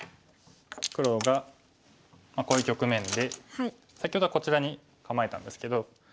黒がこういう局面で先ほどはこちらに構えたんですけど。